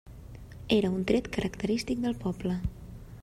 Era un tret característic del poble.